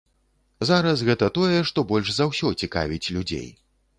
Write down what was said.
Зараз гэта тое, што больш за ўсё цікавіць людзей.